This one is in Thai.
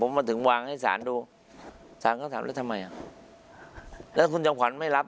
มาถึงวางให้สารดูสารก็ถามแล้วทำไมอ่ะแล้วคุณจำขวัญไม่รับ